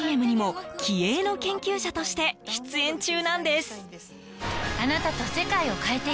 ＣＭにも気鋭の研究者として出演中なんです。